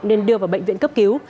nên đưa vào bệnh viện cấp cứu